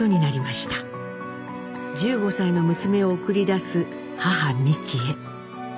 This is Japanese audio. １５歳の娘を送り出す母ミキエ。